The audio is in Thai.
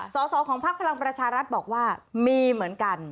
สอสอของพักพลังประชารัฐบอกว่ามีเหมือนกัน